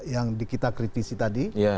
yang kita kritisi tadi